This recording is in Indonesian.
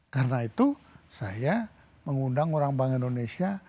karena itu saya mengundang orang bangga indonesia